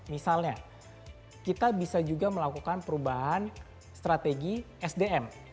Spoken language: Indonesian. misalnya kita bisa juga melakukan perubahan strategi sdm